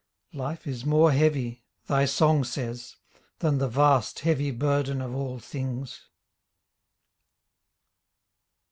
Life is more heavy — thy song says — Than the vast, heavy burden of all things.